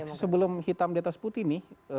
tapi kalau utama diatas putih nih